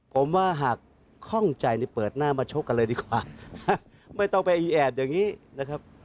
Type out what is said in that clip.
ผมว่าหากคล่องใจนี่เปิดหน้ามาชกกันเลยดีกว่าไม่ต้องไปอีแอบอย่างนี้นะครับ